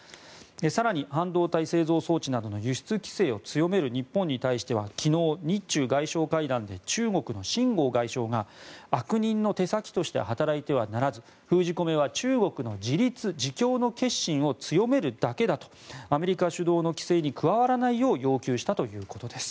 更に、半導体製造装置などの輸出規制を強める日本に対し昨日、日中外相会談で中国のシン・ゴウ外相が悪人の手先として働いてはならず封じ込めは中国の自立自強の決心を強めるだけだとアメリカ主導の規制に加わらないよう要求したということです。